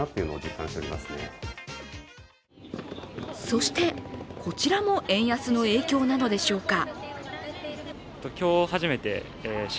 そして、こちらも円安の影響なのでしょうか。